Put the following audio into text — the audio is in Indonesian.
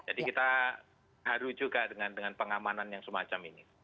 jadi kita haru juga dengan pengamanan yang semacam ini